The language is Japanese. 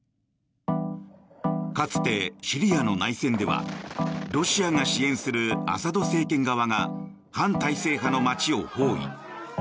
かつてシリアの内戦ではロシアが支援するアサド政権側が反体制派の街を包囲。